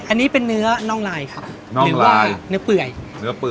อันนี้เป็นเนื้อน่องลายครับหรือว่าเนื้อเปื่อยเนื้อเปื่อ